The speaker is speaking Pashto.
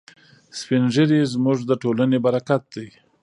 سپین ږیري زموږ د ټولنې برکت دی.